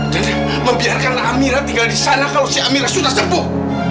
dan membiarkan amirah tinggal di sana kalau si amirah sudah sepuh